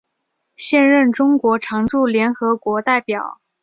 现任中国常驻联合国代表。